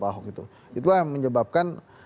pak ahok itu itulah yang menyebabkan